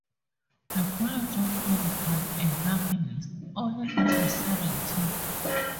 The College of Medical Evangelists only had a 'C' rating.